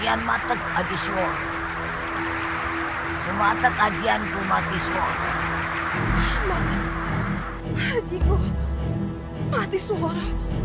akhirnya suara katibur